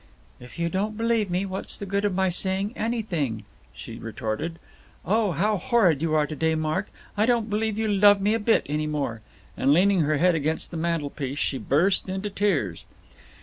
"If you don't believe me, what's the good of my saying anything?" she retorted. "Oh, how horrid you are to day, Mark. I don't believe you love me a bit, any more." And leaning her head against the mantelpiece, she burst into tears.